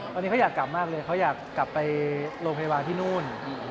ตอนนี้เขาอยากกลับมากเลยเขาอยากกลับไปโรงพยาบาลที่นู่น